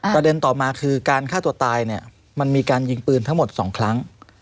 ประเด็นต่อมาคือการฆ่าตัวตายมันมีการยิงปืนทั้งหมด๒ครั้ง